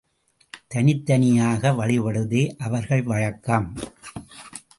தனித்தனியாக வழிபடுவதே அவர்கள் வழக்கம்.